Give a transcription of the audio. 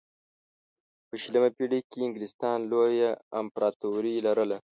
په شلمه پېړۍ کې انګلستان لویه امپراتوري لرله.